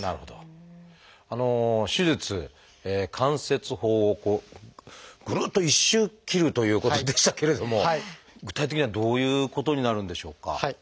手術関節包をぐるっと一周切るということでしたけれども具体的にはどういうことになるんでしょうか？